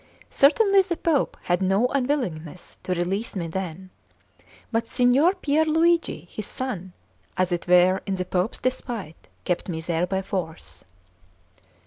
Certainly the Pope had no unwillingness to release me then; but Signor Pier Luigi, his son, as it were in the Pope's despite, kept me there by force.